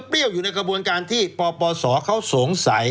เปรี้ยวอยู่ในกระบวนการที่ปปสเขาสงสัย